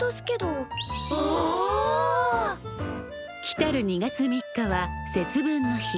来る２月３日は節分の日。